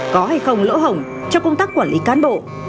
có hay không lỗ hổng cho công tác quản lý cán bộ